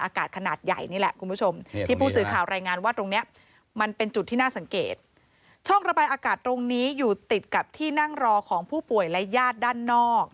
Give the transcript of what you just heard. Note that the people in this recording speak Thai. อากาศขนาดใหญ่นี่แหละคุณผู้ชมที่ผู้สื่อข่าวรายงานว่าตรงเนี้ยมันเป็นจุดที่น่าสังเกตช่องระบายอากาศตรงนี้อยู่ติดกับที่นั่งรอของผู้ป่วยและญาติด้านนอก